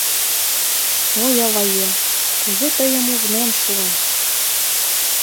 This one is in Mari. — Ой, аваем, кузе тыйым ужмем шуын...